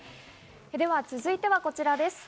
続いては、こちらです。